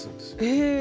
へえ！